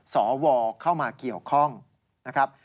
สวเข้ามาเกี่ยวข้องนะครับ